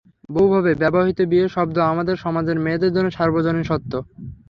বহু ভাবে ব্যবহৃত বিয়ে শব্দ আমাদের সমাজের মেয়েদের জন্য সর্বজনীন সত্য।